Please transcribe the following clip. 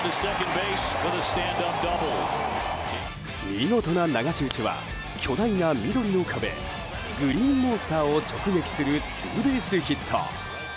見事な流し打ちは巨大な緑の壁グリーンモンスターを直撃するツーベースヒット。